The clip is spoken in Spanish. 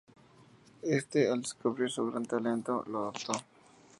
Este, al descubrir su gran talento, lo adoptó.